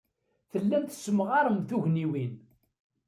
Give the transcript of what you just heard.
Tellam tessemɣarem tugniwin.